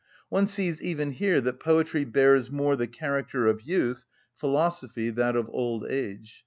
One sees even here that poetry bears more the character of youth, philosophy that of old age.